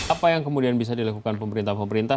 apa yang kemudian bisa dilakukan pemerintah pemerintah